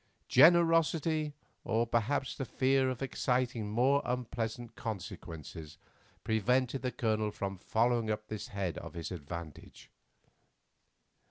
Generosity, or perhaps the fear of exciting more unpleasant consequences, prevented the Colonel from following up this head of his advantage.